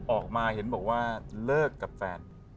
ออกมาเห็นบอกว่าเลิกกับแฟน